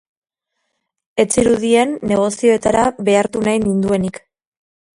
Ez zirudien negozioetara behartu nahi ninduenik.